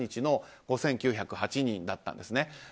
８月１３日の５９０８人だったんですね。